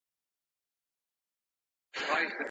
که ميرمني هغه عمل وکړ، نو طلاق واقع سو.